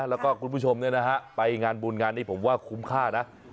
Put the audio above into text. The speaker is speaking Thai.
แล้วก็คุณผู้ชมไปงานบุญงานนี้ผมว่าคุ้มค่านะ